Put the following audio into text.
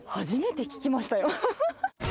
初めて聞きましたよ。